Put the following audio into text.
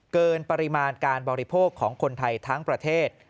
เกินปริมาณการบริโภคของคนไทยทั้งประเทศ